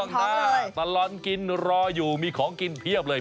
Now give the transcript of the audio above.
หน้าตลอดกินรออยู่มีของกินเพียบเลย